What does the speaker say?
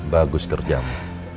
bagus kerja bu